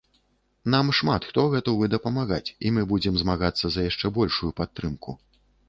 Нам шмат хто гатовы дапамагаць і мы будзем змагацца за яшчэ большую падтрымку.